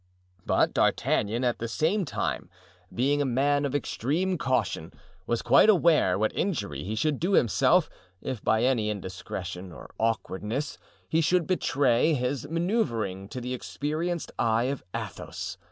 But D'Artagnan at the same time, being a man of extreme caution, was quite aware what injury he should do himself, if by any indiscretion or awkwardness he should betray has manoeuvering to the experienced eye of Athos.